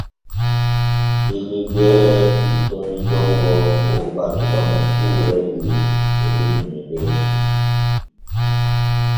Veledɛhɛ itɔ́ndi dɔ́ngɔ ó bato bámatúwɛni ó bemɛnɔ bábu.